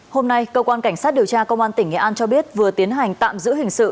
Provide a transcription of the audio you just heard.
hôm nay cơ quan cảnh sát điều tra công an tỉnh nghệ an cho biết vừa tiến hành tạm giữ hình sự